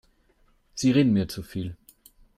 Sie reden mir zu viel.